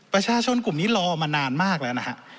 ประชาชนกลุ่มนี้รอมานานมากแล้วนะฮะ